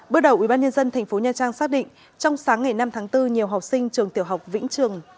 bước đầu ubnd tp nha trang xác định trong sáng ngày năm tháng bốn nhiều học sinh trường tiểu học vĩnh trường